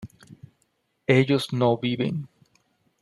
ellos no viven